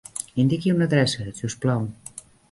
Indiqui una adreça, si us plau.